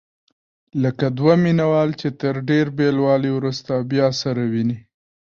لکه دوه مینه وال چې تر ډېر بېلوالي وروسته بیا سره ویني.